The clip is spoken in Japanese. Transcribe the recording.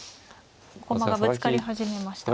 駒がぶつかり始めました。